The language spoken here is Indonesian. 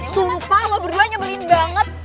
sumpah lo berduanya nyebelin banget